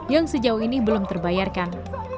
yang sejauh ini belum terbayarkan